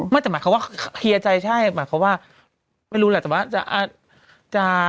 แต่หมายความว่าเคลียร์ใจใช่หมายความว่าไม่รู้แหละแต่ว่าจะ